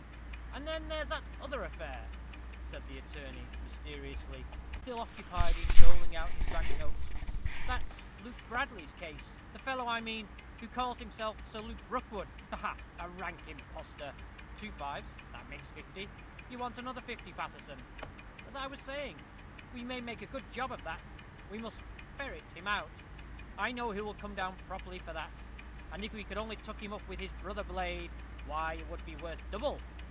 "And then there's that other affair," said the attorney, mysteriously, still occupied in doling out his bank notes, "that Luke Bradley's case; the fellow, I mean, who calls himself Sir Luke Rookwood ha, ha! A rank impostor! Two fives, that makes fifty: you want another fifty, Paterson. As I was saying, we may make a good job of that we must ferret him out. I know who will come down properly for that; and if we could only tuck him up with his brother blade, why it would be worth double.